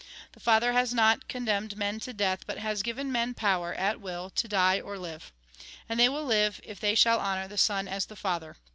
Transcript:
The Father has not con demned men to death, but has given men power, at will, to die or live. And they will live, if they shall honour the Son as the Father.